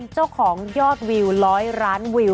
เจ้าของยอดวิว๑๐๐ล้านวิว